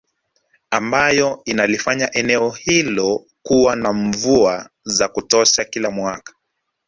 Ambayo inalifanya eneo hilo kuwa na mvua za kutosha kila mwaka